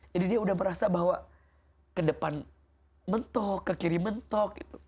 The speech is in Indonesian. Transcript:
jadi dia udah merasa bahwa ke depan mentok ke kiri mentok